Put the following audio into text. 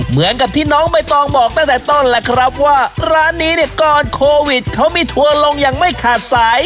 เหมือนกับที่น้องใบตองบอกตั้งแต่ต้นแหละครับว่าร้านนี้เนี่ยก่อนโควิดเขามีทัวร์ลงอย่างไม่ขาดสาย